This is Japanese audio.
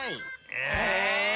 え！